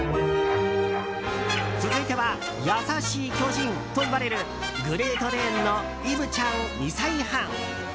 続いては、優しい巨人といわれるグレート・デーンのイブちゃん、２歳半。